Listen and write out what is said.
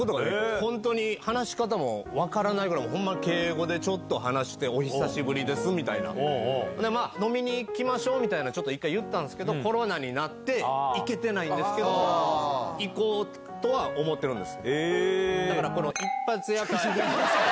本当に、話し方も分からないぐらい、ほんま敬語でちょっと話してお久しぶりですみたいな、でまあ、飲みにいきましょうみたいなの、ちょっと一回言ったんですけど、コロナになって、行けてないんですけど、行こうとは思ってるんです。